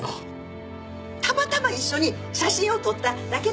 たまたま一緒に写真を撮っただけとか？